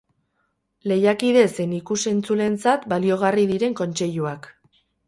Lehiakide zein ikus-entzuleentzat baliogarri diren kontseiluak.